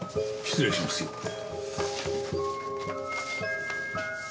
失礼しますよ。